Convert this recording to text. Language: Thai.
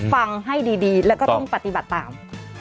ฟังให้ดีแล้วก็ต้องปฏิบัติตาม